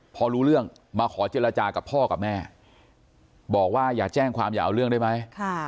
พอรู้เรื่องมาขอเจรจากับพ่อกับแม่บอกว่าอย่าแจ้งความอย่าเอาเรื่องได้ไหม